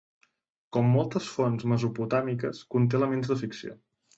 Com moltes fonts mesopotàmiques, conté elements de ficció.